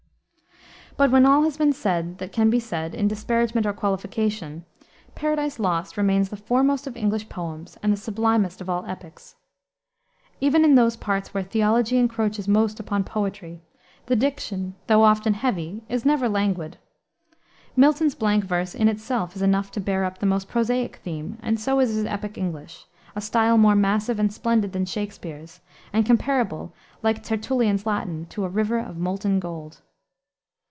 But when all has been said that can be said in disparagement or qualification, Paradise Lost remains the foremost of English poems and the sublimest of all epics. Even in those parts where theology encroaches most upon poetry, the diction, though often heavy, is never languid. Milton's blank verse in itself is enough to bear up the most prosaic theme, and so is his epic English, a style more massive and splendid than Shakspere's, and comparable, like Tertullian's Latin, to a river of molten gold.